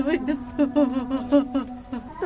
kenapa anak saya jadi tersangka